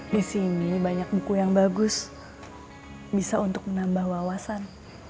disini banyak buku yang bagus bisa untuk menambah wawasan